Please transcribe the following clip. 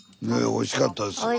おいしかったです。